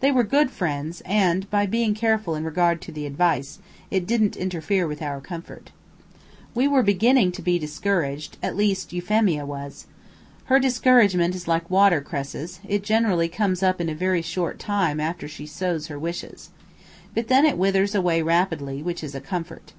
They were good friends and, by being careful in regard to the advice, it didn't interfere with our comfort. We were beginning to be discouraged, at least Euphemia was. Her discouragement is like water cresses, it generally comes up in a very short time after she sows her wishes. But then it withers away rapidly, which is a comfort.